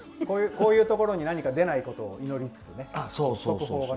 上のところに何か出ないことを祈りつつね。